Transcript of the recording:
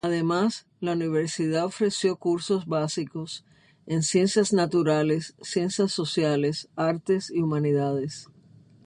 Además, la universidad ofreció cursos básicos en ciencias naturales, ciencias sociales, artes y humanidades.